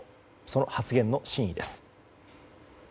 その発言の真意です。